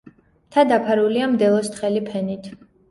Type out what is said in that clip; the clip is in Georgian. მთა დაფარულია მდელოს თხელი ფენით.